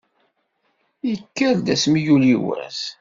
Yekker-d asmi yuli wass.